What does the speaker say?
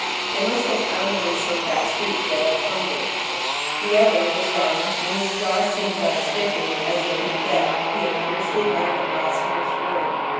They must have found him in some back street, dead of hunger. The other was young, and his jaws seemed to have stiffened as if, in death, he had fiercely uttered a blasphemous word.